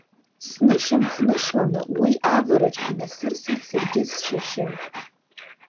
Снышьамхнышланы уи авараҿ инасырсит саргьы сцәашьы.